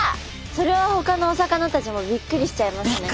それはほかのお魚たちもびっくりしちゃいますね。